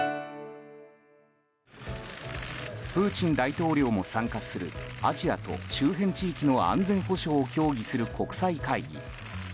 プーチン大統領も参加するアジアと周辺地域の安全保障を協議する国際会議。